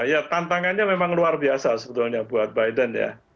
ya tantangannya memang luar biasa sebetulnya buat biden ya